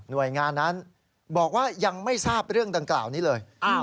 โดยงานนั้นบอกว่ายังไม่ทราบเรื่องดังกล่าวนี้เลย